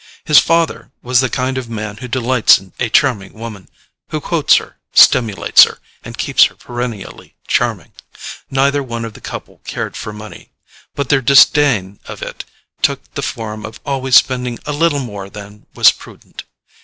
His father was the kind of man who delights in a charming woman: who quotes her, stimulates her, and keeps her perennially charming. Neither one of the couple cared for money, but their disdain of it took the form of always spending a little more than was prudent.